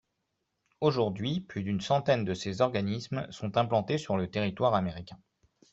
Aujourd’hui, plus d’une centaine de ces organismes sont implantés sur le territoire américain.